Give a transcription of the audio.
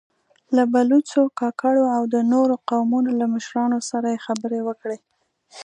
له بلوڅو، کاکړو او د نورو قومونو له مشرانو سره يې خبرې وکړې.